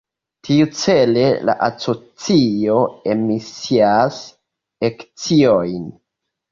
Tiucele la asocio emisias akciojn.